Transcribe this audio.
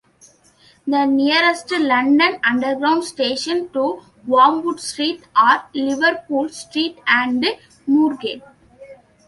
The nearest London Underground stations to Wormwood Street are Liverpool Street and Moorgate.